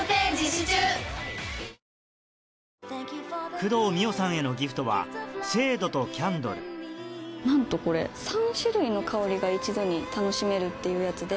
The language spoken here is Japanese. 工藤美桜さんへのギフトはシェードとキャンドルなんとこれ３種類の香りが一度に楽しめるっていうやつで。